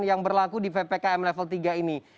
yang berlaku di ppkm level tiga ini